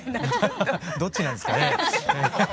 ハハハどっちなんですかねえ。